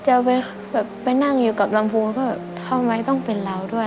จะไปนั่งอยู่กับลำโพงก็แบบทำไมต้องเป็นเราด้วย